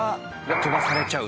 飛ばされちゃう。